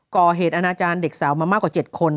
ก่อเหตุอนาจารย์เด็กสาวมามากกว่า๗คน